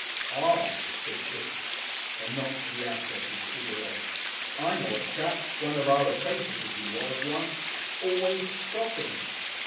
"Ah!" said Kipps and knocked the ash off his cigarette. "I know a chap one of our apprentices he was once. Always scoffing....